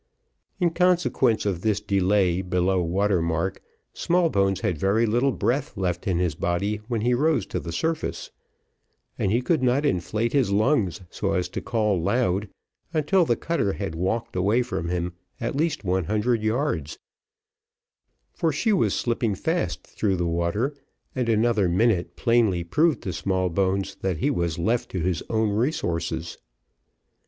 In consequence of this delay below water mark, Smallbones had very little breath left in his body when he rose to the surface, and he could not inflate his lungs so as to call loud until the cutter had walked away from him at least one hundred yards, for she was slipping fast through the water, and another minute plainly proved to Smallbones that he was left to his own resources.